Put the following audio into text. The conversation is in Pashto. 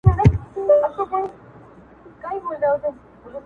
زه بچی د احمد خان یم پکی سمت ممت نه منمه